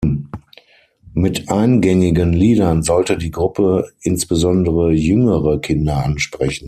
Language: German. Mit eingängigen Liedern sollte die Gruppe insbesondere jüngere Kinder ansprechen.